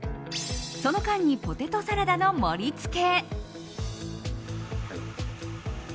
その間にポテトサラダの盛り付け。